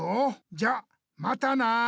じゃまたな！